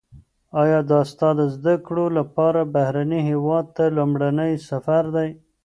ایا دا ستا د زده کړو لپاره بهرني هیواد ته لومړنی سفر دی؟